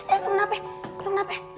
eh lo kenapa ya